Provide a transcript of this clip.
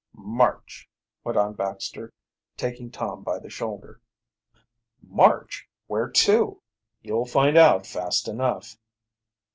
"March!" went on Baxter, taking Tom by the shoulder. "March? Where to?" "You'll find out fast enough."